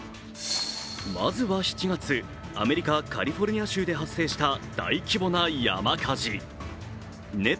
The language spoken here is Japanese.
まずは７月、アメリカ・カリフォルニア州で発生した大規模な山火事。